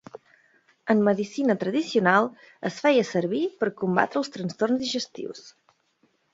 En medicina tradicional es feia servir per combatre els trastorns digestius.